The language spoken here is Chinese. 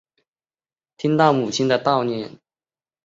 听到母亲的叨念